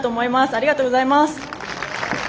ありがとうございます。